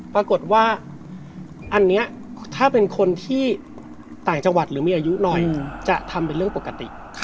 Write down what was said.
ปรากฏว่าอันนี้ถ้าเป็นคนที่ต่างจังหวัดหรือมีอายุหน่อยจะทำเป็นเรื่องปกติ